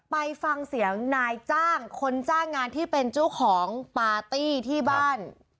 ไปฟังเสียงนายจ้างคนจ้างงานที่เป็นเจ้าของปาร์ตี้ที่บ้าน